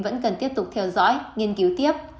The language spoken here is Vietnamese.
vẫn cần tiếp tục theo dõi nghiên cứu tiếp